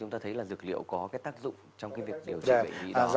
chúng ta thấy là dược liệu có cái tác dụng trong cái việc điều trị bệnh vi đó